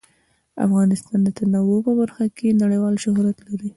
افغانستان د تنوع په برخه کې نړیوال شهرت لري.